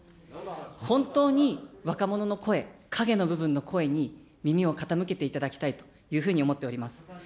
本当に若者の声、影の部分の声に、耳を傾けていただきたいと思っております。